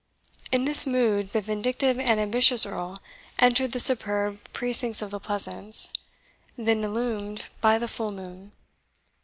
In this mood the vindictive and ambitious Earl entered the superb precincts of the Pleasance, then illumined by the full moon.